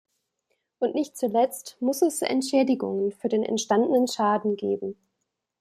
Und nicht zuletzt muss es Entschädigungen für den entstandenen Schaden geben.